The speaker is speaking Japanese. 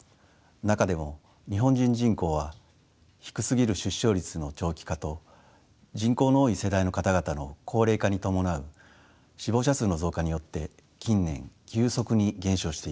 中でも日本人人口は低すぎる出生率の長期化と人口の多い世代の方々の高齢化に伴う死亡者数の増加によって近年急速に減少しています。